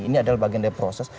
ini adalah bagian dari proses